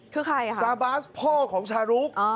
คือใครคะซาบาสพ่อของชารุก